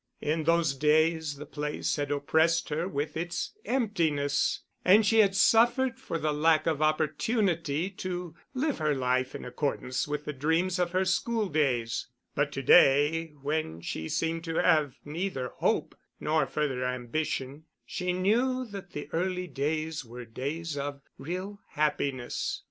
In those days the place had oppressed her with its emptiness, and she had suffered for the lack of opportunity to live her life in accordance with the dreams of her school days; but to day, when she seemed to have neither hope nor further ambition, she knew that the early days were days of real happiness.